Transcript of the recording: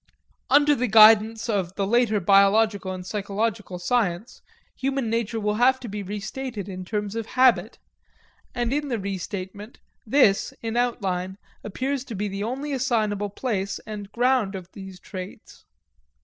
Under the guidance of the later biological and psychological science, human nature will have to be restated in terms of habit; and in the restatement, this, in outline, appears to be the only assignable place and ground of these traits.